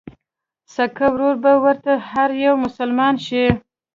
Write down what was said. سکه ورور به ورته هر يو مسلمان شي